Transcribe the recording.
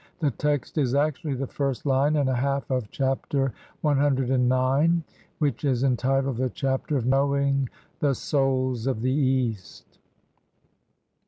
The text is actually the first line and a half of Chapter CIX, which is entitled the "CHAPTER OF KNOWING THE SOULS OF THE EAST".